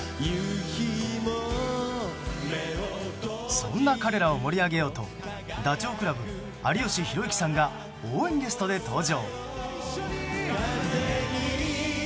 そんな彼らを盛り上げようとダチョウ倶楽部、有吉弘行さんが応援ゲストで登場。